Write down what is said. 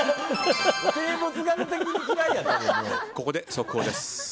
ここで速報です。